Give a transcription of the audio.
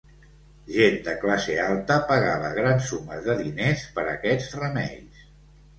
Gent de classe alta pagava grans sumes de diners per aquests remeis.